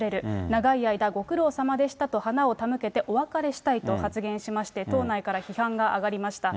長い間、ご苦労さまでしたと花を手向けてお別れしたいと発言しまして、党内から批判が上がりました。